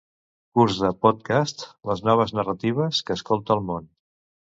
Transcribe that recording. Curs de pòdcast, les noves narratives que escolta el món